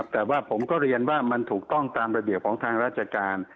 แต่ว่าผมก็เรียนว่ามันถูกต้องตามระเบียบของทางราชการ